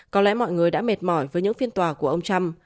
có lẽ mọi người đã mệt mỏi với những phiên tòa của ông trump